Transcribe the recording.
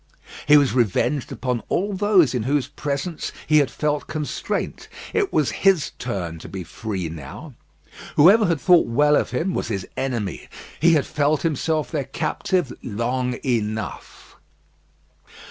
He was revenged upon all those in whose presence he had felt constraint. It was his turn to be free now. Whoever had thought well of him was his enemy. He had felt himself their captive long enough.